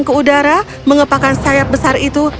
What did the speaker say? ke udara mengepakan sayap besar itu